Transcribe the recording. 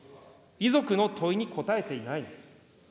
遺族の問いに答えていないのです。